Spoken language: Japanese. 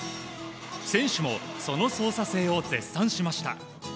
選手もその操作性を絶賛しました。